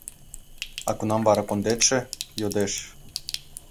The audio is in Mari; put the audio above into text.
— А кунам вара кондетше? — йодеш.